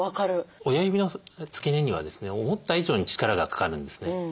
親指の付け根にはですね思った以上に力がかかるんですね。